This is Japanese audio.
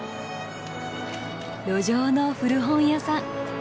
路上の古本屋さん。